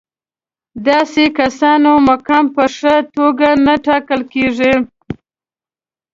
داسې کسانو مقام په ښه توګه نه ټاکل کېږي.